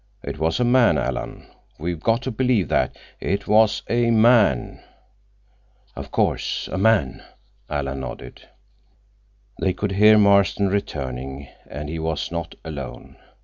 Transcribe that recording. It was a man, Alan. We've got to believe that. It was a man." "Of course, a man," Alan nodded. They could hear Marston returning, and he was not alone.